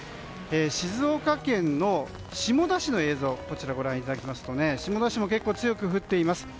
静岡県の下田市の映像をご覧いただきますと下田市も結構強く降っています。